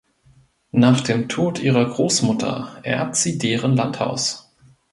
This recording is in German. Nach dem Tod ihrer Großmutter erbt sie deren Landhaus.